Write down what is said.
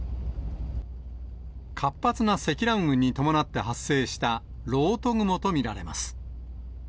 活発な積乱雲に伴って発生した、ろうと雲と見られます。